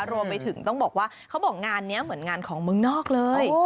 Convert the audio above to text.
รวมไปถึงต้องบอกว่าเขาบอกงานนี้เหมือนงานของเมืองนอกเลย